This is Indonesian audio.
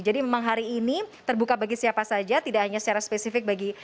jadi memang hari ini terbuka bagi siapa saja tidak hanya secara spesifik bagi